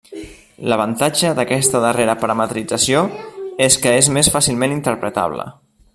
L'avantatge d'aquesta darrera parametrització és que és més fàcilment interpretable.